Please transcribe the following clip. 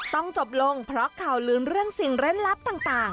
ต้องจบลงเพราะข่าวลืมเรื่องสิ่งเล่นลับต่าง